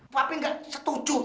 papi nggak setuju